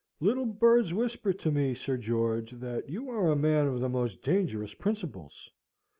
"Little birds whisper to me, Sir George, that you are a man of the most dangerous principles.